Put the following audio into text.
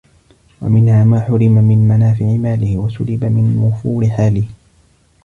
وَمِنْهَا مَا حُرِمَ مِنْ مَنَافِعِ مَالِهِ ، وَسُلِبَ مِنْ وُفُورِ حَالِهِ